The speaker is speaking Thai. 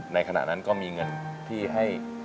ในขณะนั้นก็มีเงินที่ให้